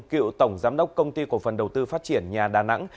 cựu tổng giám đốc công ty cổ phần đầu tư phát triển nhà đà nẵng